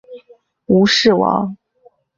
吴氏亡。